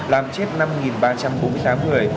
làm chết năm ba trăm bốn mươi tám người